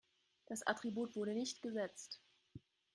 Das Attribut wurde nicht gesetzt.